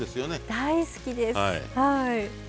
大好きです。